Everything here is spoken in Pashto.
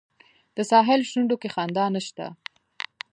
د ساحل شونډو کې خندا نشته